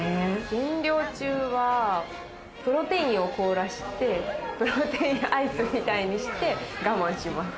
減量中はプロテインを凍らして、プロテインアイスみたいにして我慢します。